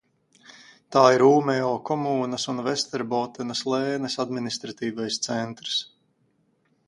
Tā ir Ūmeo komūnas un Vesterbotenas lēnes administratīvais centrs.